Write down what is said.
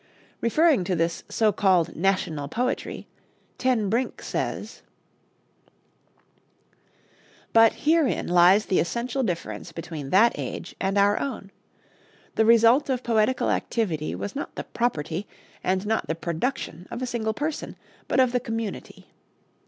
Referring to this so called national poetry, Ten Brink says: "But herein lies the essential difference between that age and our own: the result of poetical activity was not the property and not the production of a single person, but of the community.